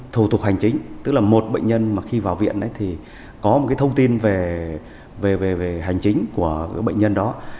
thủ tục hành chính tức là một bệnh nhân mà khi vào viện thì có một cái thông tin về hành chính của bệnh nhân đó